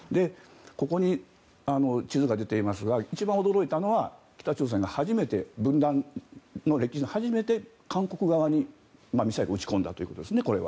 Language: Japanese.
ここに地図が出ていますが一番驚いたのは、北朝鮮が初めて分断の歴史で初めて韓国側にミサイルを撃ち込んだということですね。